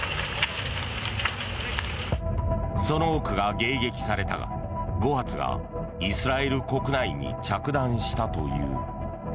その多くが迎撃されたが５発がイスラエル国内に着弾したという。